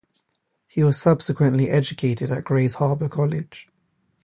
He was subsequently educated at Grays Harbor College.